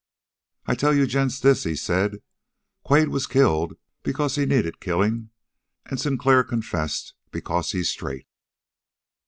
"I'll tell you gents this," he said. "Quade was killed because he needed killing, and Sinclair confessed because he's straight."